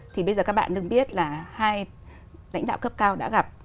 thì bây giờ các bạn đừng biết là hai lãnh đạo cấp cao đã gặp